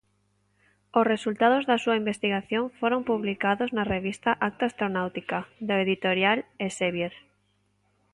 Os resultados da súa investigación foron publicados na revista Acta Astronáutica, da editorial Elsevier.